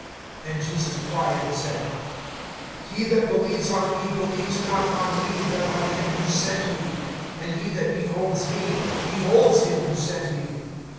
(44)And Jesus cried and said: He that believes on me, believes not on me but on him who sent me. (45)And he that beholds me beholds him who sent me.